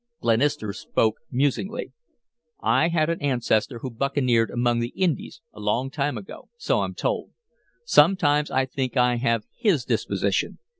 Glenister spoke musingly: "I had an ancestor who buccaneered among the Indies, a long time ago so I'm told. Sometimes I think I have his disposition.